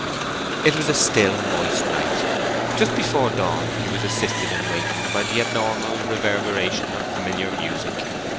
It was a still, moist night. Just before dawn he was assisted in waking by the abnormal reverberation of familiar music.